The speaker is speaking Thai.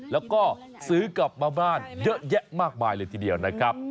แล้วก็ซื้อกลับมาบ้านเยอะแยะมากมายเลยทีเดียวนะครับ